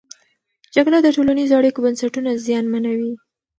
جګړه د ټولنیزو اړیکو بنسټونه زیانمنوي.